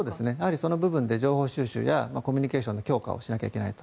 その部分で情報収集やコミュニケーションの強化をしなければいけないと。